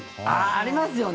ありますよね。